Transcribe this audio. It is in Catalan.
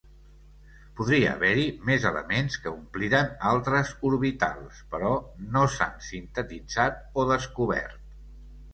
Podria haver-hi més elements que ompliren altres orbitals, però no s'han sintetitzat o descobert.